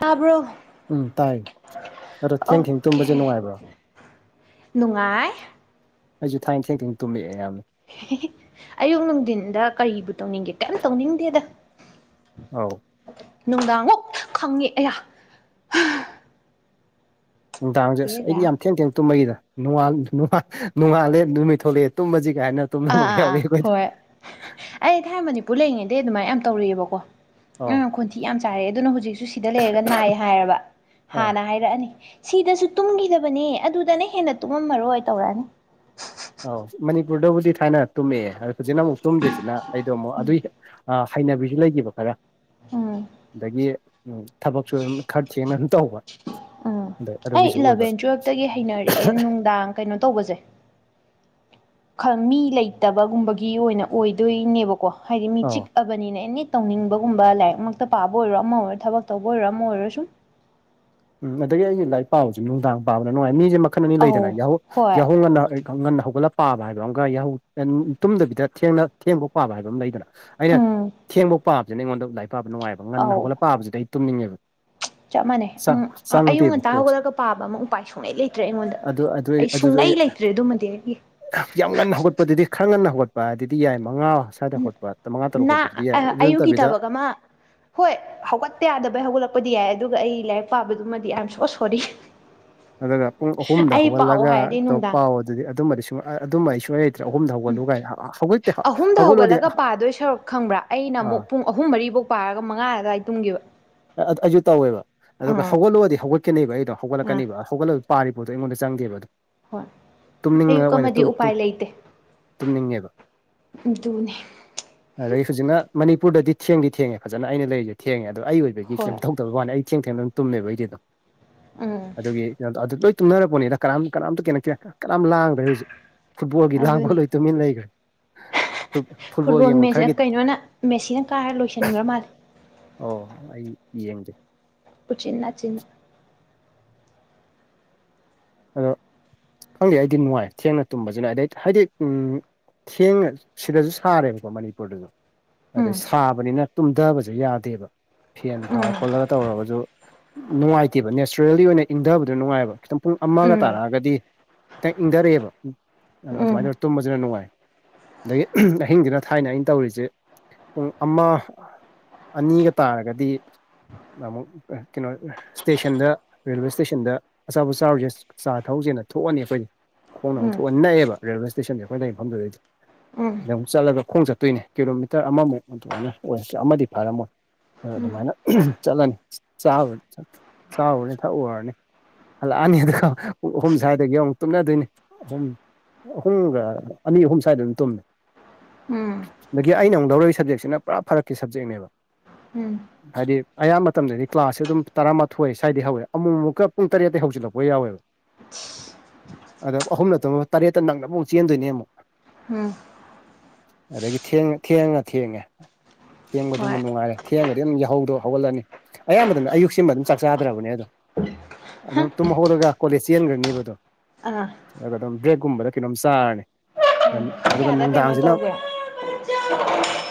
ꯇꯥꯕ꯭ꯔꯣ ꯎꯝ ꯇꯥꯏ ꯑꯗꯣ ꯊꯦꯡ ꯊꯦꯡ ꯑꯣꯀꯦ ꯇꯨꯝꯕꯁꯦ ꯅꯨꯡꯉꯥꯏꯕ꯭ꯔꯣ ꯅꯨꯡꯉꯥꯏ ꯑꯩꯁꯨ ꯊꯥꯏꯅ ꯊꯦꯡ ꯊꯦꯡ ꯇꯨꯝꯃꯛꯑꯦ ꯌꯥꯝꯅ ꯑꯌꯨꯛ ꯅꯨꯡꯊꯤꯟꯗ ꯀꯔꯤꯕꯨ ꯇꯧꯅꯤꯡꯒꯦ ꯀꯩꯝ ꯇꯧꯅꯤꯡꯗꯦꯗ ꯑꯥꯎ ꯅꯨꯡꯗꯥꯡꯃꯨꯛ ꯈꯪꯉꯦ ꯑꯌꯥ ꯅꯨꯡꯗꯥꯡꯁꯦ ꯑꯁ ꯑꯦꯔꯥ ꯑꯩꯗꯤ ꯌꯥꯝ ꯊꯦꯡꯅ ꯊꯦꯡꯅ ꯇꯨꯝꯕꯅꯤꯗ ꯅꯣꯡꯉꯥꯜꯂꯦ ꯅꯨꯃꯤꯠ ꯊꯣꯛꯂꯛꯑꯦ ꯇꯨꯝꯃꯁꯤ ꯑꯥ ꯑꯥ ꯑꯥ ꯍꯣꯏ ꯑꯩ ꯊꯥꯏꯅ ꯃꯅꯤꯄꯨꯔ ꯂꯩꯔꯤꯉꯩꯗꯩ ꯑꯗꯨꯃꯥꯏꯅ ꯌꯥꯝ ꯇꯧꯔꯛꯑꯦꯕꯀꯣ ꯑꯧ ꯑꯗꯨꯅ ꯈꯣꯟꯊꯤ ꯌꯥꯝ ꯆꯥꯏꯔꯛꯑꯦ ꯑꯗꯨꯅ ꯍꯧꯖꯤꯛꯁꯨ ꯁꯤꯗ ꯂꯩꯔꯒ ꯅꯥꯏ ꯍꯥꯏꯑꯕ ꯑꯧ ꯍꯥꯟꯅ ꯍꯥꯏꯔꯛꯑꯅꯤ ꯁꯤꯗꯁꯨ ꯇꯨꯝꯈꯤꯗꯕꯅꯦ ꯑꯗꯨꯗꯅ ꯍꯦꯟꯅ ꯇꯨꯝꯃꯝꯃꯔꯣꯏ ꯇꯧꯔꯛꯑꯅꯤ ꯑꯧ ꯃꯅꯤꯄꯨꯔꯗꯕꯨꯗꯤ ꯊꯥꯏꯅ ꯇꯨꯝꯃꯛꯑꯦ ꯍꯧꯖꯤꯛꯅ ꯑꯩꯗꯣ ꯑꯃꯨꯛ ꯇꯨꯝꯗ꯭ꯔꯤꯁꯤꯅ ꯑꯩꯗꯣ ꯑꯃꯨꯛ ꯑꯗꯨꯏ ꯑ ꯍꯩꯅꯕꯤꯁꯨ ꯂꯩꯈꯤꯕ ꯈꯔ ꯎꯝ ꯑꯗꯒꯤ ꯊꯕꯛꯁꯨ ꯑꯗꯨꯝ ꯈꯔ ꯊꯦꯡꯅ ꯑꯗꯨꯝ ꯇꯧꯕ ꯎꯝ ꯑꯗ ꯑꯩ ꯑꯗꯨꯒꯤꯁꯨ ꯑꯣꯏꯕ ꯏꯂꯚꯦꯟ ꯇꯨꯋꯦꯜꯐꯇꯒꯤ ꯍꯩꯅꯔꯛꯑꯦ ꯅꯨꯡꯗꯥꯡ ꯀꯩꯅꯣ ꯇꯧꯕꯁꯦ ꯈꯪ ꯃꯤ ꯂꯩꯇꯕꯒꯨꯝꯕꯒꯤ ꯑꯣꯏꯅ ꯑꯣꯏꯗꯣꯏꯅꯦꯕꯀꯣ ꯍꯥꯏꯗꯤ ꯃꯤ ꯑꯧ ꯆꯤꯛꯑꯕꯅꯤꯅ ꯑꯦꯅꯤ ꯇꯧꯅꯤꯡꯕꯒꯨꯝꯕ ꯂꯥꯏꯔꯤꯛꯃꯛꯇ ꯄꯥꯕ ꯑꯣꯏꯔꯣ ꯑꯃ ꯑꯣꯏꯔꯣ ꯊꯕꯛ ꯇꯧꯕ ꯑꯣꯏꯔꯣ ꯑꯃ ꯑꯣꯏꯔꯣ ꯁꯨꯝ ꯎꯝ ꯑꯗꯒꯤ ꯑꯩꯅ ꯂꯥꯏꯔꯤꯛ ꯄꯥꯕꯁꯦ ꯅꯨꯡꯗꯥꯡ ꯄꯥꯕꯅ ꯅꯨꯡꯉꯥꯏ ꯃꯤꯁꯦ ꯃꯥ ꯃꯈꯟ ꯑꯅꯤ ꯂꯩꯗꯅ ꯑꯧ ꯌꯥꯍꯧ ꯍꯣꯏ ꯌꯥꯍꯧ ꯉꯟꯅ ꯈꯔ ꯉꯟꯅ ꯍꯧꯒꯠꯂ ꯄꯥꯕ ꯍꯥꯏꯕ ꯑꯃꯒ ꯌꯥꯍꯧ ꯇꯨꯝꯗꯕꯤꯗ ꯊꯦꯡꯅ ꯊꯦꯡꯕꯧ ꯄꯥꯕ ꯍꯥꯏꯕ ꯑꯃ ꯂꯩꯗꯅ ꯑꯩꯅ ꯎꯝ ꯊꯦꯡꯕꯧ ꯄꯥꯕꯁꯤꯅ ꯑꯩꯉꯣꯟꯗ ꯂꯥꯏꯔꯤꯛ ꯄꯥꯕ ꯅꯨꯡꯉꯥꯏꯕ ꯉꯟꯅ ꯑꯧ ꯍꯧꯒꯠꯂꯒ ꯄꯥꯕꯁꯤꯗꯤ ꯑꯩ ꯇꯨꯝꯅꯤꯡꯉꯦꯕ ꯆꯞ ꯃꯥꯟꯅꯩ ꯑꯝ ꯑꯥ ꯑꯌꯨꯛ ꯆꯪꯗꯦꯕ ꯉꯟꯇꯥ ꯀꯣꯛꯁꯦ ꯍꯧꯒꯠꯂꯒ ꯄꯥꯕ ꯑꯃ ꯎꯄꯥꯏ ꯁꯨꯡꯂꯩ ꯂꯩꯇ꯭ꯔꯦ ꯑꯩꯉꯣꯟꯗ ꯑꯗꯨ ꯑꯗꯨ ꯑꯩ ꯑꯗꯨꯁꯨ ꯁꯨꯡꯂꯩ ꯂꯩꯇ꯭ꯔꯦ ꯑꯗꯨꯃꯗꯤ ꯗꯦ ꯑꯩꯒꯤ ꯌꯥꯝ ꯉꯟꯅ ꯍꯧꯒꯠꯄꯗꯨꯗꯤ ꯈꯔ ꯉꯟꯅ ꯍꯧꯒꯠꯄ ꯍꯥꯏꯗꯤ ꯌꯥꯏ ꯃꯉꯥ ꯁ꯭ꯋꯥꯏꯗ ꯍꯧꯒꯠꯄ ꯃꯉꯥ ꯇꯔꯨꯛ ꯅ ꯍꯧꯒꯠꯄꯗꯨꯗꯤ ꯌꯥꯏ ꯑꯗꯨ ꯑꯌꯨꯛꯀꯤ ꯅꯠꯇꯕꯤꯗ ꯊꯕꯛ ꯑꯃ ꯍꯣꯏ ꯍꯧꯒꯠꯇꯄ ꯌꯥꯗꯕꯩ ꯍꯧꯒꯠꯂꯛꯄꯗꯤ ꯌꯥꯏ ꯑꯗꯨꯒ ꯑꯩ ꯂꯥꯏꯔꯤꯛ ꯄꯥꯕꯗꯨꯃꯗꯤ ꯑꯥꯏ ꯑꯦꯝ ꯁꯣ ꯁꯣꯔꯤ ꯑꯗꯨꯒ ꯄꯨꯡ ꯑꯍꯨꯝꯗ ꯑꯩ ꯄꯥꯎ ꯍꯧꯒꯠꯂꯒ ꯍꯥꯏꯔꯗꯤ ꯇꯣ ꯅꯨꯡꯗꯥꯡ ꯄꯥꯎ ꯑꯗꯨꯗꯤ ꯑꯗꯨꯃꯗꯤ ꯁꯨꯡ ꯑꯗꯨꯃ ꯑꯩ ꯁꯨꯡꯂꯩ ꯑꯍꯨꯝꯗ ꯎꯝ ꯍꯧꯒꯠꯂꯨ ꯀꯥꯏꯅ ꯍꯧꯒꯠꯇꯦ ꯑꯍꯨꯝꯗ ꯍꯧꯒꯠꯂꯨꯔꯗꯤ ꯍꯧꯒꯠꯂꯒ ꯄꯥꯗꯣꯏ ꯁꯔꯨꯛ ꯈꯪꯕ꯭ꯔꯥ ꯑꯩꯅ ꯑ ꯑꯃꯨꯛ ꯄꯨꯡ ꯑꯍꯨꯝ ꯃꯔꯤꯐꯧ ꯄꯥꯔꯒ ꯃꯉꯥ ꯑꯗꯨꯋꯥꯏ ꯇꯨꯝꯒꯤꯕ ꯑꯩꯁꯨ ꯇꯧꯋꯦꯕ ꯑꯗꯨꯒ ꯍꯧꯒꯠꯂꯛꯑꯣꯗꯤ ꯍꯧꯒꯠꯂꯛꯀꯅꯤꯕ ꯑꯩꯗꯣ ꯑꯥ ꯍꯧꯒꯠꯂꯛꯀꯅꯦꯕ ꯍꯧꯒꯠꯂꯗꯤ ꯄꯥꯔꯤ ꯄꯣ ꯇꯣ ꯑꯗꯣ ꯑꯩ ꯉꯣꯟꯗ ꯆꯪꯗꯦꯕ ꯑꯗꯨ ꯍꯣꯏ ꯇꯨꯝꯅꯤꯡꯉ ꯑꯌꯨꯛ ꯑꯣꯏꯅ ꯑꯃꯗꯤ ꯎꯄꯥꯏ ꯂꯩꯇꯦ ꯇꯨꯝꯅꯤꯡꯉꯦꯕ ꯑꯗꯨꯅꯦ ꯑꯗꯩ ꯍꯧꯖꯤꯛꯅ ꯃꯅꯤꯄꯨꯔꯗꯗꯤ ꯊꯦꯡꯗꯤ ꯊꯦꯡꯉꯦ ꯐꯖꯅ ꯑꯩꯅ ꯂꯩꯔꯤꯁꯦ ꯊꯦꯡꯉꯦ ꯑꯗꯣ ꯑꯩ ꯑꯣꯏꯕꯒꯤ ꯀꯩꯝ ꯍꯣꯏ ꯇꯧꯗꯕꯩ ꯋꯥꯅꯤ ꯑꯩ ꯊꯦꯡ ꯊꯦꯡꯅ ꯑꯗꯨꯝ ꯇꯨꯝꯃꯦꯕ ꯑꯗꯨꯝ ꯎꯝ ꯑꯗꯨꯒꯤ ꯑꯗꯨꯝ ꯂꯣꯏ ꯇꯨꯝꯅꯔꯄꯣꯠꯅꯤꯗ ꯀꯅꯝ ꯀꯅꯥꯝꯇ ꯀꯅꯦ ꯀꯅꯥꯝ ꯂꯥꯡꯗ꯭ꯔꯦ ꯍꯧꯖꯤꯛ ꯐꯨꯠꯕꯣꯜꯒꯤ ꯂꯥꯡꯕ ꯑꯗꯨꯅꯦ ꯂꯣꯏ ꯇꯨꯃꯤꯟ ꯂꯩꯈ꯭ꯔꯦ ꯐꯨꯠ- ꯐꯨꯠꯕꯣꯜ ꯌꯦꯡꯕ ꯃꯦ ꯈꯔꯒꯤ ꯀꯩꯅꯣꯅ ꯃꯦꯠꯁꯤꯅ ꯀꯥꯔ ꯂꯣꯏꯁꯤꯟꯈ꯭ꯔ ꯃꯥꯜꯂꯦ ꯑꯣ ꯑꯩ ꯌꯦꯡꯗꯦ ꯎꯆꯤꯟ ꯑꯆꯤꯟꯅ ꯑꯗꯣ ꯈꯪꯗꯦ ꯑꯩꯗꯤ ꯅꯨꯡꯉꯥꯏ ꯊꯦꯡꯅ ꯇꯨꯝꯕꯁꯤꯅ ꯑꯩꯗꯤ ꯍꯥꯏꯗꯤ ꯎꯝ ꯊꯦꯡꯉ ꯁꯤꯗꯁꯨ ꯁꯥꯔꯦꯕꯀꯣ ꯃꯅꯤꯄꯨꯔꯗꯁꯨ ꯎꯝ ꯑꯗꯩ ꯁꯥꯕꯅꯤꯅ ꯇꯨꯝꯊꯕꯁꯦ ꯌꯥꯗꯦꯕ ꯐꯦꯟ ꯊꯥꯔ ꯎꯝ ꯈꯣꯠꯂꯒ ꯇꯧꯔꯒꯁꯨ ꯅꯨꯡꯉꯥꯏꯇꯦꯕ ꯅꯦꯆꯔꯦꯜꯂꯤ ꯑꯣꯏꯅ ꯏꯪꯊꯕꯗ ꯅꯨꯡꯉꯥꯏꯑꯕ ꯈꯤꯇꯪ ꯄꯨꯡ ꯑꯃꯒ ꯎꯝ ꯇꯥꯔꯛꯑꯒꯗꯤ ꯈꯤꯇꯪ ꯏꯪꯊꯔꯛꯑꯦꯕ ꯑꯗ ꯎꯝ ꯑꯗꯨꯃꯥꯏꯅ ꯇꯧꯔ ꯇꯨꯝꯕꯁꯤꯅ ꯅꯨꯡꯉꯥꯏ ꯑꯗꯒꯤ ꯑꯍꯤꯡꯁꯤꯅ ꯊꯥꯏꯅ ꯑꯩꯅ ꯇꯧꯔꯤꯁꯤ ꯄꯨꯡ ꯑꯃ ꯑꯅꯤꯒ ꯇꯥꯔꯒꯗꯤ ꯑꯃꯨꯛ ꯀꯩꯅꯣ ꯏꯁꯇꯦꯁꯟꯗ ꯔꯦꯜꯋꯦ ꯏꯁꯇꯦꯁꯟꯗ ꯑꯆꯥꯄꯣꯠ ꯆꯥꯔꯨꯁꯦ ꯆꯥ ꯊꯛꯎꯁꯦ ꯅ ꯊꯣꯛꯑꯅꯤ ꯑꯩꯈꯣꯏꯗꯤ ꯈꯣꯡꯅ ꯑꯃꯨꯛ ꯎꯝ ꯊꯣꯛꯑꯅꯤ ꯅꯛꯑꯕ ꯔꯦꯜꯋꯦ ꯏꯁꯇꯦꯁꯟꯁꯦ ꯑꯩꯈꯣꯏꯅ ꯂꯩꯔꯤ ꯃꯐꯝꯗꯨꯗꯩꯗꯤ ꯎꯝ ꯑꯃꯨꯛ ꯆꯠꯂꯒ ꯈꯣꯡ ꯆꯠꯇꯣꯏꯅꯦ ꯀꯤꯂꯣꯃꯤꯇꯔ ꯑꯃꯃꯨꯛ ꯑꯗꯨꯃꯥꯏꯅ ꯑꯣꯏꯔꯁꯨ ꯑꯃꯗꯤ ꯐꯔꯝꯃꯣꯏ ꯑꯥ ꯑꯗꯨꯃꯥꯏꯅ ꯆꯠꯂꯅꯤ ꯆꯥꯔ ꯆꯥꯎꯔꯅꯤ ꯊꯛꯎꯔꯅꯤ ꯍꯜꯂꯛꯑꯅꯤ ꯑꯗꯨꯒ ꯄꯨꯡ ꯑꯍꯨꯝ ꯁ꯭ꯋꯥꯏꯗꯒꯤ ꯑꯃꯨꯛ ꯇꯨꯝꯅꯗꯣꯏꯅꯤ ꯑꯍꯨꯝ ꯑꯍꯨꯝꯒ ꯑꯅꯤ ꯑꯍꯨꯝ ꯁ꯭ꯋꯥꯏꯗ ꯑꯗꯨꯝ ꯇꯨꯝꯃꯦ ꯎꯝ ꯑꯗꯒꯤ ꯑꯩꯅ ꯑꯃꯨꯛ ꯂꯧꯔꯛꯏ ꯁꯕꯖꯦꯛꯁꯤꯅ ꯄꯨꯔꯥ ꯐꯔꯛꯀꯤ ꯁꯞꯖꯦꯛꯅꯦꯕ ꯎꯝ ꯍꯥꯏꯗꯤ ꯑꯌꯥꯝ ꯃꯇꯝꯗꯗꯤ ꯀ꯭ꯂꯥꯁꯁꯦ ꯑꯗꯨꯝ ꯇꯔꯥꯃꯥꯊꯣꯏ ꯁ꯭ꯋꯥꯏꯗꯩ ꯍꯧꯋꯦ ꯑꯃꯨꯛ ꯑꯃꯨꯛꯀ ꯄꯨꯡ ꯇꯔꯦꯠꯇꯩꯩ ꯍꯧꯖꯤꯜꯂꯛꯄꯒ ꯌꯥꯎꯋꯦꯕ ꯑꯗꯣ ꯑꯍꯨꯝ ꯇꯨꯝꯃꯒꯥ ꯇꯔꯦꯠꯇ ꯅꯪꯅꯕ ꯑꯃꯨꯛ ꯆꯦꯟꯗꯣꯏꯅꯦ ꯑꯃꯨꯛ ꯎꯝ ꯑꯗꯒꯤ ꯊꯦꯡ ꯊꯦꯡꯉ ꯊꯦꯡꯉꯦ ꯊꯦꯡꯕꯗꯨꯃ ꯍꯣꯏ ꯅꯨꯡꯉꯥꯏꯔꯦ ꯊꯦꯡꯉ ꯑꯗꯨꯝ ꯌꯥꯍꯧꯗꯣ ꯍꯧꯒꯠꯂꯅꯤ ꯑꯌꯥꯝꯕꯗꯅꯦ ꯑꯌꯨꯛꯁꯤꯃꯥ ꯑꯗꯨꯝ ꯆꯥꯛ ꯆꯥꯗ꯭ꯔꯕꯅꯦ ꯑꯗꯣ ꯍꯥ ꯑꯗꯨꯝ ꯇꯨꯝ ꯍꯧꯒꯠꯂꯒ ꯀꯣꯂꯦꯖ ꯆꯦꯟꯈ꯭ꯔꯅꯤꯕ ꯑꯗꯣ ꯑꯥ ꯑꯗꯨꯒ ꯑꯗꯨꯝ ꯕ꯭ꯔꯦꯛꯀꯨꯝꯕꯗ ꯀꯩꯅꯣꯝ ꯆꯥꯔꯅꯤ ꯄꯨꯡ ꯑꯗꯨꯒ ꯀꯌꯥꯗ ꯀꯩꯅꯣ ꯅꯨꯡꯗꯥꯡꯁꯤꯅ ꯇꯧꯒꯦ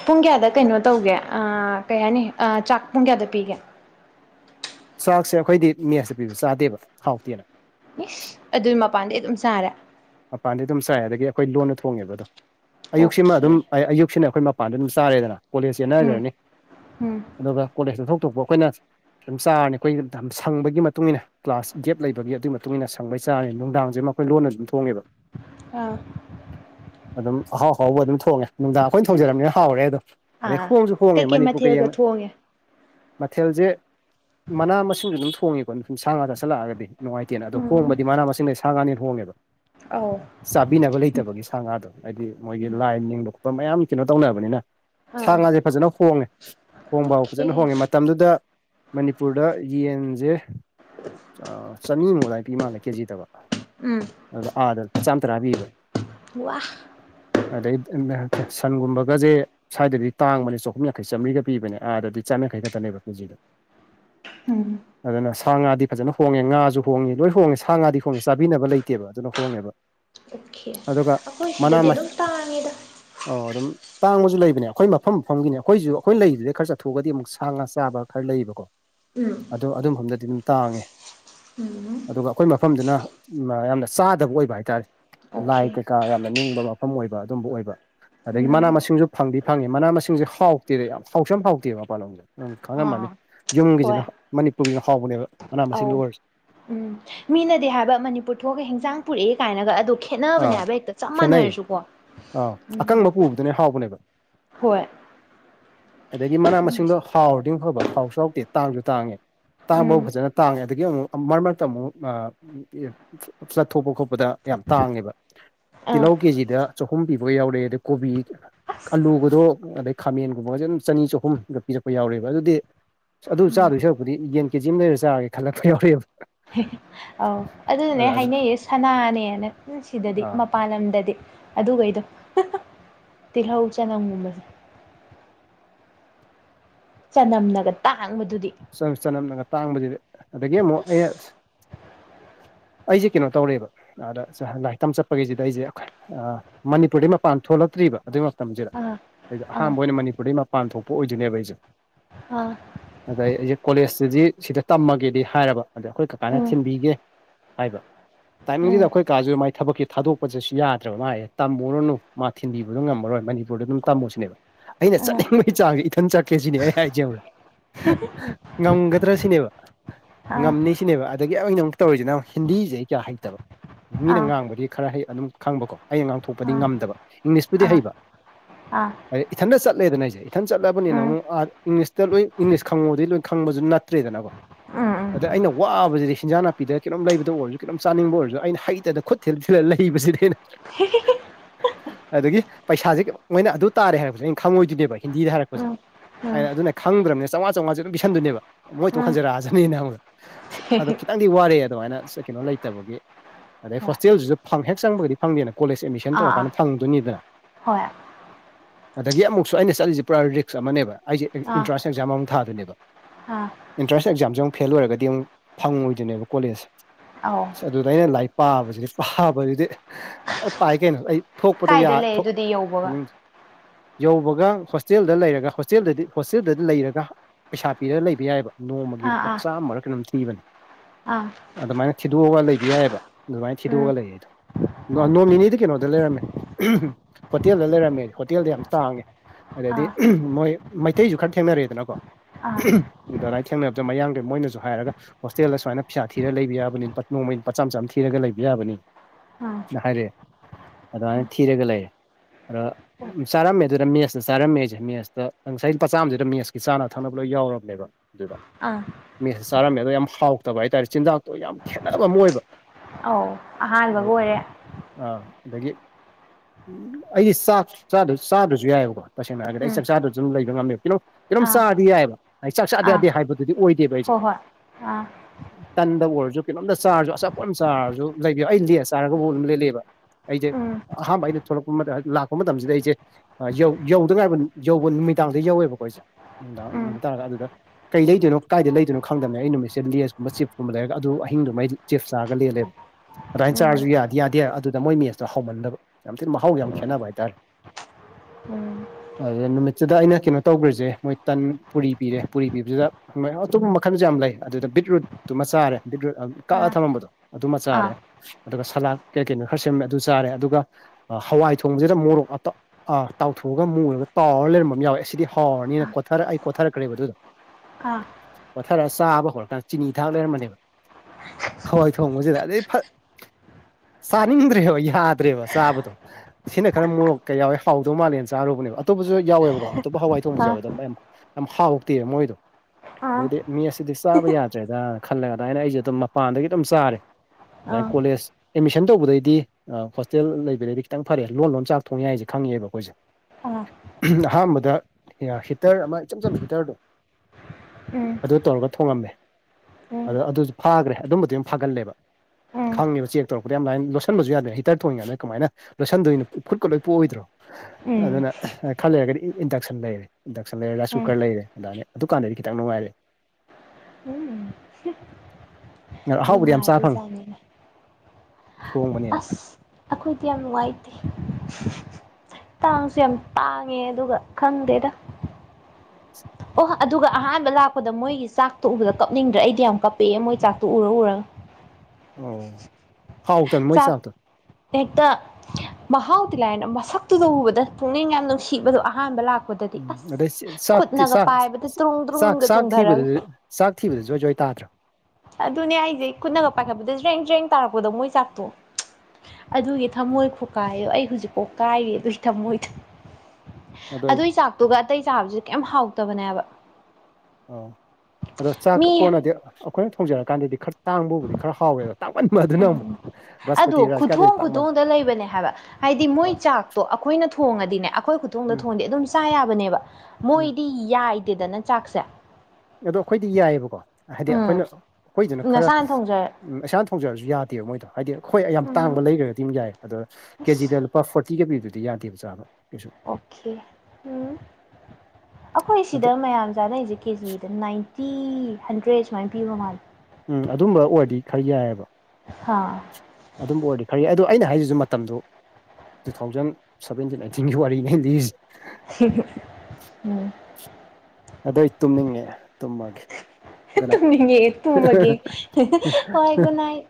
ꯄꯨꯡ ꯀꯌꯥꯗ ꯀꯩꯅꯣ ꯇꯧꯒꯦ ꯑꯥ ꯀꯩ ꯍꯥꯏꯅꯤ ꯆꯥꯛ ꯄꯨꯡ ꯀꯌꯥꯗ ꯄꯤꯒꯦ ꯆꯥꯛꯁꯦ ꯑꯩꯈꯣꯏꯗꯤ ꯃꯦꯁꯇ ꯄꯤꯕ ꯆꯥꯗꯦꯕ ꯍꯥꯎꯇꯦꯅ ꯄꯥꯟꯗꯩ ꯑꯗꯨꯝ ꯆꯥꯔꯦ ꯃꯄꯥꯟꯗꯩ ꯑꯗꯨꯝ ꯆꯥꯏ ꯑꯗꯒꯤ ꯑꯩꯈꯣꯏ ꯂꯣꯟꯅ ꯊꯣꯡꯉꯦꯕ ꯑꯗꯣ ꯑꯌꯨꯛꯁꯤꯃ ꯑꯗꯨꯝ ꯑꯣꯀꯦ ꯑꯌꯨꯛꯁꯤꯅ ꯑꯩꯈꯣꯏ ꯃ ꯃꯄꯥꯟꯗ ꯑꯗꯨꯝ ꯆꯥꯔꯦꯗꯅ ꯀꯣꯂꯦꯖ ꯎꯝ ꯆꯦꯅꯅꯥꯈ꯭ꯔꯅꯤ ꯎꯝ ꯑꯗꯨꯒ ꯀꯣꯂꯦꯖꯇ ꯊꯣꯛ ꯊꯣꯛꯄ ꯑꯩꯈꯣꯏꯅ ꯀꯩꯝ ꯆꯥꯔꯅꯤ ꯑꯩꯈꯣꯏ ꯗ ꯁꯪꯕꯒꯤ ꯃꯇꯨꯡ ꯏꯟꯅ ꯀ꯭ꯂꯥꯁ ꯒꯦꯞ ꯂꯩꯕꯒꯤ ꯑꯗꯨꯒꯤ ꯃꯇꯨꯡ ꯏꯟꯅ ꯁꯪꯕꯩ ꯆꯥꯔꯅꯤ ꯅꯨꯡꯗꯥꯡꯖꯦ ꯃ ꯑꯩꯈꯣꯏ ꯂꯣꯟꯅ ꯗꯨꯝ ꯑꯥ ꯑꯗꯨꯝ ꯑꯍꯥꯎ ꯑꯍꯥꯎꯕ ꯑꯗꯨꯝ ꯊ ꯊꯣꯡꯉꯦ ꯅꯨꯡꯗꯥꯡ ꯑꯩꯈꯣꯏꯅ ꯊꯣꯡꯖꯔꯝꯅꯤꯅ ꯍꯥꯎꯔꯦ ꯑꯗꯣ ꯑꯗꯩ ꯑꯥ ꯍꯣꯡꯁꯨ ꯍꯣꯡꯉꯦ ꯀꯩꯀꯩ ꯃꯅꯤꯄꯨꯔꯒ ꯃꯊꯦꯜꯒ ꯌꯦꯡꯅ ꯊꯣꯡꯉꯦ ꯃꯊꯦꯜꯁꯦ ꯃꯅꯥ ꯃꯁꯤꯡꯁꯨ ꯑꯗꯨꯝ ꯊꯣꯡꯉꯦꯀꯣ ꯅꯨꯊꯤꯟ ꯁꯥ ꯉꯥ ꯆꯥꯁꯤꯜꯂꯛꯑꯒꯗꯤ ꯅꯨꯡꯉꯥꯏꯇꯦꯅ ꯑꯗꯣ ꯎꯝ ꯍꯣꯡꯕꯗꯤ ꯃꯅꯥ ꯃꯁꯤꯡꯅ ꯁꯥ ꯉꯥꯅ ꯍꯥꯡ ꯍꯣꯡꯉꯦꯕ ꯑꯧ ꯆꯥꯕꯤꯅꯕ ꯂꯩꯇꯕꯒꯤ ꯁꯥ ꯉꯥꯗꯣ ꯍꯥꯏꯗꯤ ꯃꯣꯏꯒꯤ ꯂꯥꯏ ꯅꯤꯡꯕ ꯈꯣꯠꯄ ꯃꯌꯥꯝ ꯀꯩꯅꯣ ꯇꯧꯅꯕꯅꯤꯅ ꯁꯥ ꯑꯥ ꯉꯥꯁꯦ ꯐꯖꯅ ꯍꯣꯡꯉꯦ ꯍꯣꯡꯕꯥꯎ ꯑꯣꯀꯦ ꯐꯖꯅ ꯍꯣꯡꯉꯦ ꯃꯇꯝꯗꯨꯗ ꯃꯅꯤꯄꯨꯔꯗ ꯌꯦꯟꯖꯦ ꯆꯅꯤꯃꯨꯛ ꯗꯥꯏ ꯄꯤ ꯃꯥꯜꯂꯦ ꯀꯦꯖꯤꯗ ꯒꯣ ꯎꯝ ꯆꯥꯝ ꯇꯔꯥ ꯄꯤꯕ ꯋꯥ ꯑꯗꯩ ꯁꯟꯒꯨꯝꯕꯒꯁꯦ ꯁ꯭ꯋꯥꯏꯗꯗꯤ ꯇꯥꯡꯕꯅꯦ ꯆꯍꯨꯝ ꯌꯥꯡꯈꯩ ꯆꯥꯝꯔꯤꯒ ꯄꯤꯕꯅꯦ ꯑꯥꯗꯗꯤ ꯆꯝꯈꯩ ꯌꯥꯡꯈꯩ ꯈꯛꯇꯅꯦꯕ ꯀꯦꯖꯤꯗ ꯎꯝ ꯑꯗꯨꯅ ꯁꯥ ꯉꯥꯗꯤ ꯐꯖꯅ ꯍꯣꯡꯉꯦ ꯉꯥꯁꯨ ꯍꯣꯡꯉꯦ ꯂꯣꯏ ꯍꯣꯡꯉꯦ ꯁꯥ ꯉꯥꯗꯤ ꯍꯣꯡꯉꯦ ꯆꯥꯕꯤꯅꯕ ꯂꯩ ꯇꯦꯕ ꯑꯗꯨꯅ ꯍꯣꯡꯉꯦꯕ ꯑꯣꯀꯦ ꯑꯗꯨꯒ ꯑꯩꯈꯣꯏ ꯃꯅꯥ ꯁꯤꯗꯗꯤ ꯃꯁꯤ ꯑꯗꯨꯝ ꯇꯥꯡꯉꯦꯗ ꯑꯣ ꯑꯗꯨꯝ ꯇꯥꯡꯕꯁꯨ ꯂꯩꯕꯅꯦ ꯑꯩꯈꯣꯏ ꯃꯐꯝ ꯃꯐꯝꯒꯤꯅꯦ ꯑꯩꯈꯣꯏꯁꯨ ꯑꯩꯈꯣꯏ ꯂꯩꯗꯨꯗꯩ ꯈꯔ ꯆꯠꯊꯣꯛꯑꯒꯗꯤ ꯑꯃꯨꯛ ꯁꯥ ꯉꯥ ꯆꯥꯕ ꯈꯔ ꯂꯩꯌꯦꯕꯀꯣ ꯎꯝ ꯑꯗꯨ ꯑꯗꯨꯃꯐꯝꯗꯗꯤ ꯑꯗꯨꯝ ꯇꯥꯡꯉꯦ ꯎꯝ ꯑꯗꯨꯒ ꯑꯩꯈꯣꯏ ꯃꯐꯝꯗꯨꯅ ꯃ ꯌꯥꯝꯅ ꯆꯥꯗꯕ ꯑꯣꯏꯕ ꯍꯥꯏꯇꯥꯥꯔꯦ ꯂꯥꯏ ꯑꯣꯀꯦ ꯀꯩꯀꯥ ꯌꯥꯝ ꯅꯤꯡꯕ ꯃꯐꯝ ꯑꯣꯏꯕ ꯑꯗꯨꯝꯕ ꯑꯣꯏꯕ ꯑꯗꯒꯤ ꯎꯝ ꯃꯅꯥ ꯃꯁꯤꯡꯁꯨ ꯐꯪꯗꯤ ꯐꯪꯉꯤ ꯃꯅꯥ ꯃꯁꯤꯡꯁꯦ ꯍꯥꯎꯇꯦꯗꯩ ꯌꯥꯝ ꯍꯥꯎꯁꯨ ꯌꯥꯝ ꯍꯥꯎꯇꯦꯕ ꯃꯄꯥꯟꯂꯣꯝꯗ ꯈꯪꯉꯝꯃꯅꯤ ꯑꯥ ꯍꯣꯏ ꯌꯨꯝꯒꯤꯁꯤꯅ ꯍ ꯃꯅꯤꯄꯨꯔꯒꯤꯅ ꯍꯥꯎꯕꯅꯦꯕ ꯃꯅꯥ ꯃꯁꯤꯡꯗꯣ ꯑꯧ ꯑꯣꯏꯔꯁꯨ ꯎꯝ ꯃꯤꯅꯗꯤ ꯍꯥꯏꯕ ꯃꯅꯤꯄꯨꯔ ꯊꯣꯛꯑ ꯍꯤꯡꯖꯥꯡ ꯄꯨꯔꯛꯑꯦ ꯀꯥꯏꯅꯒ ꯑꯗꯨ ꯈꯦꯠꯅꯕꯅꯦ ꯑꯥ ꯍꯥꯏꯕ ꯍꯦꯛꯇ ꯆꯞ ꯈꯦꯠꯅꯩꯌꯦ ꯃꯥꯟꯅꯔꯁꯨꯀꯣ ꯑꯥ ꯎꯝ ꯑꯀꯪꯕ ꯄꯨꯕꯗꯨꯅ ꯍꯥꯎꯕꯅꯦꯕ ꯍꯣꯏ ꯑꯗꯒꯤ ꯃꯅꯥ ꯃꯁꯤꯡꯗꯣ ꯍꯥꯎꯔꯗꯤ ꯃꯨꯛ ꯐꯕ ꯍꯥꯎꯁꯨ ꯍꯥꯎꯇꯦ ꯇꯥꯡꯁꯨ ꯇꯥꯡꯉꯦ ꯇꯥꯡꯕꯥꯎ ꯎꯝ ꯐꯖꯅ ꯇꯥꯡꯉꯦ ꯑꯗꯒꯤ ꯑꯃꯨꯛ ꯃꯔꯛ ꯃꯔꯛꯇ ꯑꯃꯨꯛ ꯑꯥ ꯐ꯭ꯂꯠꯊꯣꯛꯄ ꯈꯣꯠꯄꯗ ꯌꯥꯝ ꯇꯥꯡꯉꯦꯕ ꯑꯥ ꯇꯤꯜꯍꯧ ꯀꯦꯖꯤꯗ ꯆꯍꯨꯝ ꯄꯤꯕꯒ ꯌꯥꯎꯔꯛꯑꯦ ꯑꯗ ꯀꯣꯕꯤ ꯑꯁ ꯑꯂꯨꯒꯗꯣ ꯑꯗꯩ ꯈꯥꯃꯦꯟꯒꯨꯝꯕꯒꯁꯦ ꯑꯗꯨꯝ ꯆꯅꯤ ꯆꯍꯨꯝꯒ ꯄꯤꯔꯛꯄ ꯌꯥꯎꯔꯦꯕ ꯑꯗꯨꯗꯤ ꯑꯗꯨ ꯎꯝ ꯆꯥꯗꯣꯏ ꯁꯔꯛꯄꯨꯗꯤ ꯌꯦꯟ ꯀꯦꯖꯤ ꯑꯃ ꯂꯩꯔ ꯆꯥꯔꯒꯦ ꯈꯜꯂꯛꯄ ꯌꯥꯎꯔꯑꯕ ꯑꯧ ꯑꯗꯨꯗꯅꯦ ꯑꯗ ꯍꯥꯏꯅꯩꯌꯦ ꯁꯅꯥꯅꯦꯅ ꯁꯤꯗꯗꯤ ꯑꯥ ꯃꯄꯥꯟ ꯂꯝꯗ ꯗꯤ ꯑꯗꯨꯒꯩꯗꯣ ꯇꯤꯜꯍꯧ ꯆꯅꯝꯒꯨꯝꯕꯁꯦ ꯆꯅꯝꯅꯒ ꯇ ꯇꯥꯡ ꯆꯅꯝꯅꯒ ꯇꯥꯡꯕꯁꯤꯗꯤ ꯑꯗꯒꯤ ꯑꯃꯨꯛ ꯑꯩꯅ ꯑꯩꯁꯦ ꯀꯩꯅꯣ ꯇꯧꯔꯦꯕ ꯑꯗ ꯂꯥꯏꯔꯤꯛ ꯇꯝ ꯆꯠꯄꯒꯤꯁꯤꯗ ꯑꯩꯁꯦ ꯃꯅꯤꯄꯨꯔꯗꯩ ꯃꯄꯥꯟ ꯊꯣꯛ ꯊꯣꯛꯂꯛꯇ꯭ꯔꯤꯕ ꯑꯗꯨꯒꯤ ꯃꯇꯝꯁꯤꯗ ꯑꯁ ꯑꯩꯗ ꯑꯥ ꯑꯍꯥꯟꯕ ꯑꯣꯏꯅ ꯃꯅꯤꯄꯨꯔꯗꯩ ꯃꯄꯥꯟ ꯊꯣꯛꯄ ꯑꯣꯏꯗꯣꯏꯅꯦꯕ ꯑꯩꯁꯦ ꯑꯥ ꯑꯗꯩ ꯑꯩꯁꯦ ꯀꯣꯂꯦꯖꯇꯗꯤ ꯁꯤꯗ ꯇꯝꯃꯒꯦꯗꯤ ꯍꯥꯏꯔꯕ ꯑꯗ ꯑꯩꯈꯣꯏ ꯀꯀꯥꯅ ꯎꯝ ꯊꯤꯟꯕꯤꯒꯦ ꯍꯥꯏꯕ ꯇꯥꯏꯃꯤꯡꯁꯤꯗ ꯎꯝ ꯑꯩꯈꯣꯏ ꯀꯥꯁꯨ ꯃꯥꯏ ꯊꯕꯛꯀꯤ ꯊꯥꯗꯣꯛ ꯄꯣꯠꯆꯠꯁꯨ ꯌꯥꯗ꯭ꯔꯕ ꯃꯥ ꯍꯥꯏꯌꯦ ꯇꯝꯃꯨꯔꯅꯨ ꯃꯥ ꯊꯤꯟꯕꯤꯕꯗꯣ ꯉꯝꯃꯔꯣꯏ ꯃꯅꯤꯄꯨꯔꯗ ꯑꯗꯨꯝ ꯇꯝꯃꯣ ꯁꯤꯅꯦꯕ ꯑꯩꯅ ꯎꯝ ꯑꯥ ꯆꯠꯅꯤꯡꯕꯩ ꯆꯥꯡꯁꯦ ꯏꯊꯟ ꯆꯠꯀꯦꯁꯤꯅꯦ ꯑꯩ ꯍꯥꯏꯖꯦ ꯈꯪꯕ꯭ꯔ ꯍꯝꯍꯝ ꯉꯝꯒꯗ꯭ꯔ ꯁꯤꯅꯦꯕ ꯉꯝꯅꯤ ꯁꯤꯅꯦꯕ ꯑꯗꯒꯤ ꯑꯩꯅ ꯑꯃꯨꯛ ꯇꯧꯔꯤꯁꯤꯅꯛ ꯍꯤꯟꯗꯤꯁꯦ ꯑꯩ ꯀꯌꯥ ꯍꯩꯇꯕ ꯃꯤꯅ ꯑꯥ ꯉꯥꯡꯕꯗꯤ ꯈꯔ ꯍꯩ ꯑꯗꯨꯝ ꯈꯪꯕꯀꯣ ꯑꯩꯅ ꯉꯥꯡꯊꯣꯛꯄꯗꯤ ꯑꯥ ꯉꯝꯗꯕ ꯏꯪꯂꯤꯁꯄꯨꯗꯤ ꯑꯥ ꯍꯩꯕ ꯑꯥ ꯍꯥꯏꯗꯤ ꯏꯊꯟꯇ ꯆꯠꯂꯦꯗꯅ ꯑꯩꯁꯦ ꯏꯊꯟ ꯆꯠꯂꯕꯅꯤꯅ ꯎꯝ ꯑꯃꯨꯛ ꯑꯥ ꯏꯪꯂꯤꯁꯇ ꯂꯣꯏ ꯏꯪꯂꯤꯁ ꯈꯪꯉꯨꯗꯤ ꯂꯣꯏ ꯈꯪꯕꯁꯨ ꯅꯠꯇ꯭ꯔꯦꯗꯅꯀꯣ ꯎꯝ ꯎꯝ ꯑꯗ ꯑꯩꯅ ꯋꯥꯕꯁꯤꯗꯤ ꯍꯦꯟꯖꯥꯡ ꯅꯥꯄꯤꯗ ꯀꯩꯅꯣꯝ ꯂꯩꯕꯗ ꯑꯣꯏꯔꯁꯨ ꯀꯩꯅꯣꯝ ꯆꯥꯅꯤꯡꯕ ꯑꯣꯏꯔꯁꯨ ꯑꯩꯅ ꯍꯩꯇꯗ ꯈꯨꯠ ꯊꯥꯥꯤꯜ ꯊꯤꯜꯂ ꯂꯩ ꯊꯤꯕꯁꯤ ꯑꯩꯅ ꯍꯤꯍꯤ ꯑꯗꯨꯗꯒꯤ ꯄꯩꯁꯥꯁꯦ ꯃꯣꯏꯅ ꯑꯗꯨ ꯇꯥꯔꯦ ꯍꯥꯏꯔꯛꯄꯁꯦ ꯑꯩꯅ ꯈꯪꯉꯣꯏꯗꯣꯏꯅꯦꯕ ꯍꯤꯟꯗꯤꯗ ꯍꯥꯏꯔꯛꯄꯁꯦ ꯎꯝ ꯎꯝ ꯑꯩꯅ ꯑꯗꯨꯅ ꯈꯪꯗ꯭ꯔꯕꯅꯤ ꯆꯥꯝꯉꯥ ꯆꯝꯉꯥꯥꯁꯦ ꯑꯗꯨꯝ ꯄꯤꯁꯟꯗꯨꯏꯅꯦꯕ ꯃꯣꯏ ꯊꯣꯛꯛ ꯎꯝ ꯍꯟꯖꯔꯛꯑꯖꯅꯤꯅ ꯈꯪꯕ꯭ꯔ ꯑꯗꯣ ꯈꯤꯇꯪꯗꯤ ꯋꯥꯔꯦ ꯑꯗꯨꯃꯥꯏꯅ ꯀꯩꯅꯣ ꯂꯩꯇꯕꯒꯤ ꯑꯗꯩ ꯍꯣꯏ ꯍꯣꯁꯇꯦꯜꯁꯤꯁꯨ ꯐꯪ ꯍꯦꯛ ꯆꯪꯕꯒꯗꯤ ꯐꯪꯗꯦꯗꯅ ꯀꯣꯂꯦꯖ ꯑꯦꯗꯃꯤꯁꯟ ꯑꯥ ꯇꯧꯔꯀꯥꯟꯗ ꯑꯥ ꯐꯪꯗꯣꯏꯅꯤꯗꯅ ꯍꯣꯏ ꯑꯗꯒꯤ ꯑꯃꯨꯛꯁꯨ ꯑꯩꯅ ꯆꯠꯂꯤꯁꯦ ꯄꯨꯔꯥ ꯔꯤꯛꯁ ꯑꯃꯅꯦꯕ ꯑꯩꯁꯦ ꯑꯥ ꯑꯦꯟꯇ꯭ꯔꯥꯟꯁ ꯑꯦꯛꯖꯥꯝ ꯑꯃ ꯊꯥꯗꯣꯏꯅꯦꯕ ꯑꯥ ꯑꯦꯟꯇ꯭ꯔꯥꯟꯁ ꯑꯦꯛꯖꯥꯝꯁꯦ ꯑꯃꯨꯛ ꯐꯦꯜ ꯑꯣꯏꯔꯒꯗꯤ ꯑꯃꯨꯛ ꯐꯪꯉꯣꯏꯗꯣꯏꯅꯦꯕ ꯀꯣꯂꯦꯖꯁꯦ ꯑꯧ ꯑꯁ ꯑꯗꯨꯗ ꯑꯩꯅ ꯂꯥꯏꯔꯤꯛ ꯄꯥꯕꯁꯤꯗꯤ ꯄꯥꯕꯗꯨꯗꯤ ꯑꯩ ꯄꯥꯏ ꯀꯩꯅꯣ ꯑꯩ ꯊꯣꯛꯄꯗꯣ ꯌꯥ ꯀꯥꯏꯗ ꯂꯩ ꯊꯣꯛ ꯑꯗꯨꯗꯤ ꯌꯧꯕꯒ ꯌꯧꯕꯒ ꯍꯣꯁꯇꯦꯜꯗ ꯂꯩꯔꯒ ꯍꯣꯁꯇꯦꯜꯗꯗꯤ ꯍꯣꯁꯇꯦꯜꯗꯗꯤ ꯂꯩꯔꯒ ꯄꯩꯁꯥ ꯄꯤꯔꯒ ꯂꯩꯕ ꯌꯥꯏꯑꯦꯕ ꯅꯣꯡꯃꯒꯤ ꯑꯥ ꯂꯨꯄꯥ ꯑꯥ ꯆꯥꯝꯃꯔ ꯀꯩꯅꯣꯝ ꯊꯤꯕꯅꯦ ꯑꯥ ꯑꯗꯨꯃꯥꯏꯅ ꯊꯤꯗꯣꯛꯑꯒ ꯂꯩ ꯕ ꯌꯥꯏꯑꯦꯕ ꯑꯗꯨꯃꯥꯏꯅ ꯎꯝ ꯊꯤꯗꯣꯛꯑꯒ ꯂꯩꯌꯦ ꯑꯩꯗꯣ ꯅꯣꯡ ꯑꯣꯀꯦ ꯅꯤꯅꯤꯗꯤ ꯀꯩꯅꯣꯗ ꯂꯩꯔꯝꯃꯦ ꯍꯣꯇꯦꯜꯗ ꯂꯩꯔꯝꯃꯦ ꯍꯣꯇꯦꯜꯗꯤ ꯌꯥꯝ ꯇꯥꯡꯉꯦ ꯑꯗꯩꯗꯤ ꯑꯥ ꯃꯣꯏ ꯃꯩꯇꯩꯁꯨ ꯈꯔ ꯊꯦꯡꯅꯔꯦꯗꯅꯀꯣ ꯑꯥ ꯑꯗꯨꯗꯥꯥꯏ ꯊꯦꯡꯅꯕꯗ ꯃꯌꯥꯡꯗ ꯃꯣꯏꯅꯁꯨ ꯍꯥꯏꯔꯒ ꯍꯣꯁꯇꯦꯜꯗ ꯁꯨꯃꯥꯏꯅ ꯄꯩꯁꯥ ꯊꯤꯔ ꯂꯩꯕ ꯌꯥꯕꯅꯤ ꯅꯣꯡꯃꯩꯅꯥ ꯂꯨꯄꯥ ꯆꯥ ꯆꯥꯝ ꯆꯥꯝ ꯊꯤꯔꯒ ꯂꯩꯕ ꯑꯥ ꯌꯥꯕꯅꯤꯅ ꯍꯥꯏꯔꯛꯑꯦ ꯑꯗꯨꯃꯥꯏꯅ ꯊꯤꯔꯒ ꯂꯩꯔꯦ ꯑꯗ ꯆꯥꯔꯝꯃꯦꯗꯨꯗ ꯃꯦꯁꯅ ꯆꯥꯔꯝꯃꯦꯁꯦ ꯃꯦꯁꯇ ꯉꯁꯥꯏ ꯂꯨꯄꯥ ꯆꯥꯝꯗꯨꯗ ꯃꯦꯁꯀꯤ ꯆꯅ ꯊꯛꯅꯕ ꯂꯣꯏ ꯌꯥꯎꯔꯕꯅꯦꯕ ꯑꯗꯨꯗ ꯑꯥ ꯃꯦꯠꯆ ꯆꯥꯔꯝꯃꯦ ꯑꯗꯣ ꯌꯥꯝ ꯍꯥꯎꯇꯕ ꯍꯥꯏꯇꯥꯔꯦ ꯆꯤꯟꯖꯥꯛꯇꯣ ꯌꯥꯝ ꯈꯦꯠꯅꯕ ꯑꯃ ꯑꯣꯏꯕ ꯑꯧ ꯑꯍꯥꯟꯕꯒ ꯑꯗꯨ ꯑꯣꯏꯔꯦ ꯑꯥ ꯑꯗꯒꯤ ꯑꯩꯒꯤ ꯆꯥꯛ ꯆꯥꯗ ꯆꯥꯗꯨꯁꯨ ꯌꯥꯏꯑꯦꯕꯀꯣ ꯇꯁꯦꯡꯅ ꯍꯥꯏꯔꯒꯗꯤ ꯑꯩ ꯎꯝ ꯆꯥꯛ ꯆꯥꯗꯨꯁꯨ ꯑꯗꯨꯝ ꯂꯩꯕ ꯉꯝꯃꯦꯕ ꯀꯩꯅꯣ ꯀ ꯑꯥ ꯆꯥꯔꯗꯤ ꯌꯥꯏꯑꯦꯕ ꯑꯩ ꯆꯥꯛ ꯆꯥꯗ ꯑꯥ ꯌꯥꯗꯦ ꯍꯥꯏꯕꯗꯨꯗꯤ ꯑꯣꯏꯗꯦꯕ ꯑꯩꯁꯦ ꯍꯣꯏ ꯍꯣꯏ ꯑꯥ ꯇꯟꯗ ꯑꯣꯏꯔꯁꯨ ꯀꯩꯅꯣꯝꯇ ꯆꯥꯔꯁꯨ ꯑꯆꯥꯄꯣꯠ ꯑꯃ ꯆꯥꯔꯁꯨ ꯑꯩ ꯂꯦꯖ ꯆꯥꯔꯒꯕꯨ ꯑꯃ ꯂꯦꯜꯂꯦꯕ ꯑꯩꯁꯦ ꯎꯝ ꯑꯍꯥꯟꯕ ꯑꯩꯅ ꯊꯣꯛꯂꯛꯄ ꯃꯇꯝ ꯂꯥꯛꯄ ꯃꯇꯝꯖꯤꯗ ꯑꯩꯖꯦ ꯌꯧ ꯌꯧꯗ ꯉꯥꯏꯕ ꯌꯧꯕ ꯅꯨꯃꯤꯠ ꯅꯨꯃꯤꯗꯥꯡꯗꯩ ꯌꯧꯋꯦꯕꯀꯣ ꯑꯩꯁꯦ ꯅꯨꯡꯗꯥꯡ ꯎꯝ ꯅꯨꯃꯤꯠ ꯇꯔ ꯑꯗꯨꯗ ꯀꯩ ꯂꯩꯗꯣꯏꯅꯣ ꯀꯥꯏꯗꯩ ꯂꯩꯗꯣꯏꯅꯣ ꯈꯪꯗꯕꯅꯦ ꯑꯩ ꯅꯨꯃꯤꯠꯁꯦ ꯂꯦꯁꯀꯨꯝꯕ ꯆꯤꯞꯀꯨꯝꯕ ꯂꯩꯔꯒ ꯑꯗꯨꯝ ꯑꯍꯤꯡꯗꯨꯃꯥꯏ ꯆꯤꯞ ꯆꯥꯔꯒ ꯂꯦꯜꯂꯦꯕ ꯑꯗꯨꯃꯥꯏꯅ ꯎꯝ ꯆꯥꯔꯁꯨ ꯌꯥꯗꯤ ꯌꯥꯗꯦ ꯑꯗꯨꯗ ꯃꯣꯏ ꯃꯦꯁꯇꯣ ꯍꯥꯎꯃꯟꯗꯕ ꯌꯥꯝ ꯊꯤꯅ ꯃꯍꯥꯎ ꯌꯥꯝ ꯈꯦꯠꯅꯕ ꯍꯥꯏꯇꯥꯔꯦ ꯎꯝ ꯑꯗꯨ ꯅꯨꯃꯤꯠꯁꯤꯗ ꯑꯩꯅ ꯀꯩꯅꯣ ꯇꯧꯈ꯭ꯔꯤꯁꯦ ꯃꯣꯏ ꯇꯟ ꯄꯨꯔꯤ ꯄꯤꯔꯦ ꯄꯨꯔꯤ ꯄꯤꯕꯁꯤꯗ ꯃꯣꯏ ꯑꯗꯨꯝ ꯃꯈꯜꯁꯨ ꯌꯥꯝ ꯂꯩ ꯑꯗꯨꯗ ꯕꯤꯠꯔꯨꯠ ꯇꯨꯃ ꯆꯥꯔꯦ ꯕꯤꯠ ꯀꯛꯑ ꯑꯥ ꯊꯝꯃꯝꯕꯗꯣ ꯑꯗꯨꯃ ꯑꯥ ꯆꯥꯔꯦ ꯑꯗꯨꯒ ꯁꯂꯥꯗ ꯀꯩ ꯀꯩꯅꯣ ꯈꯔ ꯁꯦꯝꯃꯦ ꯑꯗꯨ ꯆꯥꯔꯦ ꯑꯗꯨꯒ ꯍꯋꯥꯏ ꯊꯣꯡꯕꯁꯤꯗ ꯃꯣꯔꯣꯛ ꯑꯇ ꯑ ꯇꯥꯎꯊꯣꯛ ꯒ ꯃꯨꯨꯔꯒ ꯇꯥꯎꯔ ꯂꯩꯔꯝꯕ ꯑꯃ ꯌꯥꯎꯋꯦ ꯁꯤꯗꯤ ꯍꯥꯎꯔꯅꯤꯅ ꯀꯣꯊꯔ ꯑꯩ ꯀꯣꯠꯊꯔꯛꯈ꯭ꯔꯦꯕ ꯑꯗꯨꯗꯣ ꯑꯥ ꯄꯊꯔ ꯆꯥꯕ ꯍꯧꯔꯛꯥꯟꯗ ꯆꯤꯅꯤ ꯊꯥꯛ ꯂꯩꯔꯝꯕꯅꯦꯕ ꯍꯋꯥꯏ ꯊꯣꯡꯕꯖꯤꯗ ꯑꯗꯩ ꯐꯠ ꯆꯥꯅꯤꯡꯗ꯭ꯔꯦꯕ ꯌꯥꯗ꯭ꯔꯦꯕ ꯆꯥꯕꯗꯣ ꯁꯤꯅ ꯈꯔ ꯃꯣꯔꯣꯛꯀ ꯌꯥꯎꯋꯦ ꯍꯥꯎꯗꯧ ꯃꯥꯜꯂꯦꯅ ꯆꯥꯔꯨꯕꯅꯦ ꯑꯇꯣꯞꯄꯖꯨ ꯌꯥꯎꯋꯦꯕꯀꯣ ꯑꯇꯣꯞꯄ ꯍꯋꯥꯏ ꯊꯣꯡꯕꯖꯨ ꯑꯥ ꯌꯥꯎꯋꯦ ꯑꯗꯨꯝ ꯃꯌꯥꯝ ꯌꯥꯝ ꯍꯥꯎꯇꯦꯕ ꯃꯣꯏꯗꯣ ꯑꯥ ꯑꯗꯩꯗꯤ ꯃꯦꯁ ꯁꯤꯗꯤ ꯆꯥꯕ ꯌꯥꯗ꯭ꯔꯦꯗ ꯈꯜꯂꯒ ꯑꯗꯥꯏꯅ ꯑꯩꯖꯦ ꯑꯗꯨꯝ ꯃꯄꯥꯟꯗꯒꯤ ꯑꯗꯨꯝ ꯆꯥꯔꯦ ꯑꯥ ꯑꯗꯥꯏꯅ ꯀꯣꯂꯦꯖ ꯑꯦꯠꯃꯤꯁꯟ ꯇꯧꯕꯗꯩꯗꯤ ꯍꯣꯁꯇꯦꯜ ꯂꯩꯕꯗꯩꯗꯤ ꯈꯤꯇꯪ ꯐꯔꯦ ꯂꯣꯟ ꯂꯣꯟ ꯆꯥꯛ ꯊꯣꯡ ꯌꯥꯏꯖꯦ ꯈꯪꯉꯦꯕ ꯑꯩꯈꯣꯏꯖꯦ ꯑꯥ ꯎꯝ ꯑꯍꯥꯟꯕꯗ [unintelligible] ꯍꯤꯇ꯭ꯔ ꯑꯃ ꯏꯆꯝ ꯆꯝꯕ ꯍꯤꯇ꯭ꯔꯗꯣ ꯎꯝ ꯎꯝ ꯑꯗꯨ ꯇꯧꯔꯒ ꯊꯣꯡꯉꯝꯃꯦ ꯑꯗꯨꯗ ꯑꯗꯨꯖꯨ ꯐꯥꯒ꯭ꯔꯦ ꯑꯗꯨꯝꯕꯗꯨ ꯌꯥꯝ ꯐꯥꯒꯜꯂꯦꯕ ꯎꯝ ꯈꯪꯉꯦꯕ ꯆꯦꯛ ꯇꯧꯔꯛꯄꯗ ꯌꯥꯝ ꯂꯥꯏꯅ ꯂꯣꯠꯁꯤꯟꯕꯖꯨ ꯌꯥꯗ꯭ꯔꯦ ꯍꯤꯇ꯭ꯔ ꯊꯣꯡꯉꯤꯉꯩꯗ ꯀꯃꯥꯏꯅ ꯂꯣꯏꯁꯤꯟꯗꯨꯏꯅꯣ ꯈꯨꯠꯀ ꯂꯣꯏ ꯄꯣꯛꯑꯣꯏꯗ꯭ꯔꯣ ꯎꯝ ꯎꯝ ꯑꯗꯨꯅ ꯈꯔ ꯂꯩꯔꯒꯗꯤ ꯏꯟꯗꯛꯁꯟ ꯂꯩꯔꯦ ꯏꯟꯗꯛꯁꯟ ꯂꯩꯔꯦ ꯔꯥꯏꯁ ꯎꯝ ꯀꯨꯀ꯭ꯔ ꯂꯩꯔꯦ ꯑꯗꯥꯏꯅ ꯑꯗꯨꯀꯥꯟꯗꯗꯤ ꯈꯤꯇꯪ ꯅꯨꯡꯉꯥꯏꯔꯦ ꯑꯍꯥꯎꯕꯗꯤ ꯅꯨꯡꯉꯥꯏꯕꯖꯥꯅꯤꯅꯦ ꯁꯣꯡꯕꯅꯤꯅ ꯑꯈꯣꯏꯗꯤ ꯌꯥꯝ ꯅꯨꯡꯉꯥꯏꯇꯦ ꯇꯥꯡꯁꯨ ꯌꯥꯝ ꯇꯥꯡꯉꯦ ꯑꯗꯨꯒ ꯈꯪꯗꯦꯗ ꯑꯣ ꯑꯗꯨꯒ ꯑꯍꯥꯟꯕ ꯂꯥꯛꯄꯗ ꯃꯣꯏꯒꯤ ꯆꯥꯛꯇꯣ ꯎꯕꯗ ꯀꯞꯅꯤꯡꯗ꯭ꯔꯥ ꯑꯩꯗꯤ ꯌꯥꯝ ꯀꯞꯄꯛꯑꯦ ꯃꯣꯏ ꯆꯥꯛꯇꯣ ꯎꯔ ꯎꯔꯒ ꯑꯣ ꯍꯥꯎꯇ ꯃꯣꯏ ꯆꯥꯛ ꯆꯥꯛꯇꯣ ꯍꯦꯛꯇ ꯃꯍꯥꯎ ꯗꯤ ꯂꯥꯏꯔꯅ ꯃꯁꯛꯇꯨꯗ ꯎꯕꯗ ꯄꯨꯛꯅꯤꯡ ꯌꯥꯝ ꯅꯨꯡꯁꯤꯕꯗꯣ ꯑꯍꯥꯟꯕ ꯂꯥꯛ ꯎꯝ ꯑꯗꯩ ꯆꯦ ꯆꯥꯛꯇꯤ ꯆꯥꯛ ꯄꯥꯏꯕꯗ ꯇ꯭ꯔꯨꯡ ꯆꯥꯛ ꯇ꯭ꯔꯨꯡꯒ ꯆꯥꯛ ꯊꯤꯕꯗꯖꯨ ꯆꯣꯡꯊꯔꯒ ꯆꯥꯛ ꯊꯤꯕꯗ ꯖ꯭ꯋꯥꯏꯏ ꯖ꯭ꯋꯥꯏ ꯇꯥꯗ꯭ꯔꯣ ꯑꯗꯨꯅꯦ ꯍꯥꯏꯖꯦ ꯈꯨꯨꯠꯅꯒ ꯄꯥꯏꯈꯠꯄꯗ ꯖ꯭ꯔꯦꯡ ꯖ꯭ꯔꯦꯡ ꯇꯥꯔꯛꯄꯗꯣ ꯃꯣꯏ ꯆꯥꯛꯇꯣ ꯑꯗꯨꯒꯤ ꯊꯃꯣꯏ ꯈꯨꯀꯥꯏꯗꯣ ꯑꯩ ꯍꯧꯖꯤꯛꯐꯥꯎ ꯀꯥꯏꯔꯤ ꯑꯗꯨꯒꯤ ꯊꯃꯣꯏꯗꯣ ꯑꯗꯣ ꯑꯩ ꯑꯗꯨꯏ ꯆꯥꯛꯇꯨꯒ ꯑꯇꯩ ꯆꯥꯕꯖꯨ ꯀꯩꯝ ꯍꯥꯎꯇꯕꯅꯦꯕ ꯑꯥ ꯑꯗꯣ ꯆꯥꯛ ꯃꯤ ꯀꯣꯟꯅꯗꯤ ꯑꯈꯣꯏꯅ ꯊꯣꯡꯖꯔꯀꯥꯟꯗꯗꯤ ꯈꯔ ꯇꯥꯡꯕꯕꯨꯗꯤ ꯈꯔ ꯍꯥꯎꯋꯦꯕ ꯇꯥꯡꯃꯟꯕ ꯑꯗꯨꯅ ꯎꯝ ꯑꯃꯨꯛ ꯑꯗꯣ ꯕꯥꯁꯄꯇꯤ ꯔꯥꯏꯁ ꯀꯥꯗꯤ ꯈꯨꯊꯣꯡ ꯇꯥꯡꯃꯜꯂꯦ ꯈꯨꯊꯣꯡꯗ ꯂꯩꯕꯅꯦ ꯍꯥꯏꯕ ꯍꯥꯏꯗꯤ ꯃꯣꯏ ꯑꯥꯎ ꯆꯥꯛꯇꯣ ꯑꯈꯣꯏꯅ ꯊꯣꯡꯉꯗꯤꯅꯦ ꯑꯈꯣꯏ ꯈꯨꯊꯣꯡꯗ ꯎꯝ ꯊꯣꯡꯉꯗꯤ ꯑꯗꯨꯝ ꯆꯥ ꯌꯥꯕꯅꯦꯕ ꯎꯝ ꯃꯣꯏꯗꯤ ꯌꯥꯏ ꯗꯦꯗꯅ ꯆꯥꯛꯁꯦ ꯑꯗꯣ ꯑꯈꯣꯏꯗꯤ ꯌꯥꯏꯌꯦꯕꯀꯣ ꯍꯥꯏꯗꯤ ꯑꯈꯣꯏꯅ ꯎꯝ ꯑꯈꯣꯏꯗꯨꯅ ꯈꯔ ꯅꯁꯥꯅ ꯊꯣꯡꯖꯔ ꯎꯝ ꯏꯁꯥꯅ ꯊꯣꯡꯖꯔꯁꯨ ꯌꯥꯗꯦꯕ ꯃꯣꯏꯗꯣ ꯍꯥꯏꯗꯤ ꯍꯣꯏ ꯌꯥꯝ ꯎꯝ ꯇꯥꯡꯕ ꯂꯩꯒ꯭ꯔꯗꯤ ꯑꯃꯨꯛ ꯌꯥꯏ ꯑꯗꯣ ꯑꯁ ꯀꯦꯖꯤꯗ ꯂꯨꯄꯥ ꯐꯣꯔꯇꯤꯒ ꯄꯤꯕꯗꯨꯗꯤ ꯌꯥꯗꯦꯕ ꯆꯥꯕ ꯀꯩꯁꯨ ꯑꯣꯈꯦ ꯎꯝ ꯑꯈꯣꯏ ꯑꯗ ꯁꯤꯗ ꯃꯌꯥꯝ ꯆꯥꯅꯩꯖꯤ ꯀꯦꯖꯤꯗ ꯅꯥꯏꯟꯇꯤ ꯍꯟꯗ꯭ꯔꯦꯗ ꯁꯨꯃꯥꯏꯅ ꯄꯤꯕ ꯃꯥꯜꯂꯦ ꯎꯝ ꯑꯗꯨꯝꯕ ꯑꯣꯏꯔꯗꯤ ꯈꯔ ꯌꯥꯏꯌꯦꯕ ꯍꯥ ꯑꯗꯨꯝꯕ ꯑꯣꯏꯔꯗꯤ ꯈꯔ ꯌꯥꯏ ꯑꯗꯣ ꯑꯩꯅ ꯍꯥꯏꯖꯤꯖꯨ ꯃꯇꯝꯗꯨ ꯇꯨ ꯊꯥꯎꯖꯟ ꯁꯕꯦꯟꯇꯤꯟ ꯑꯦꯠꯇꯤꯟꯒꯤ ꯋꯥꯔꯤꯅꯤ ꯑꯩꯅ ꯂꯤꯔꯤ ꯎꯝ ꯑꯗꯣ ꯑꯩ ꯇꯨꯝꯅꯤꯡꯉꯦ ꯇꯨꯝꯃꯒꯦ ꯒꯨꯠꯅꯥꯏꯠ ꯇꯨꯝꯅꯤꯡꯉꯦ ꯇꯨꯝꯃꯒꯦ ꯍꯣꯏ ꯒꯨꯗ [unintelligible] ꯅꯥꯏꯠ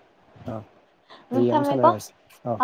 ꯎꯝ ꯍꯌꯦꯡ ꯑꯃꯨꯛ ꯊꯝꯃꯦꯀꯣ ꯁꯥꯟꯅꯔꯁꯤ ꯑꯧ